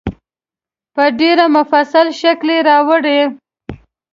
په ډېر مفصل شکل یې راوړه.